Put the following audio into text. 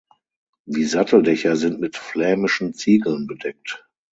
Die Satteldächer sind mit flämischen Ziegeln bedeckt.